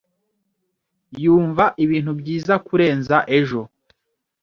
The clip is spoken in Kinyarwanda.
Yumva ibintu byiza kurenza ejo.